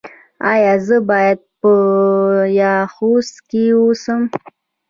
ایا زه باید په خوست کې اوسم؟